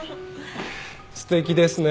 素敵ですね。